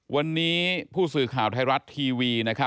วันนี้ผู้สื่อข่าวไทยรัฐทีวี